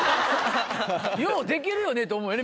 ようできるよねって思うよね